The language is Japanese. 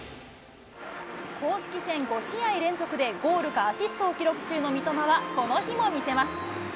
公式戦５試合連続でゴールかアシストを記録中の三笘は、この日も見せます。